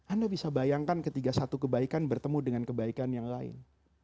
anda bisa bayangkan ketika satu kebaikan bertemu dengan kebaikan yang lain